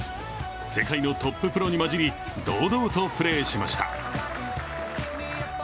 世界のトッププロに交じり、堂々とプレーしました。